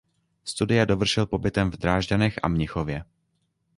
Studia dovršil pobytem v Drážďanech a Mnichově.